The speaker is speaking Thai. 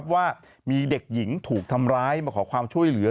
ว่ามีเด็กหญิงถูกทำร้ายมาขอความช่วยเหลือ